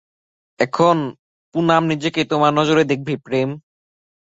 এখন, পুনাম নিজেকে তোমার নজরে দেখবে, প্রেম।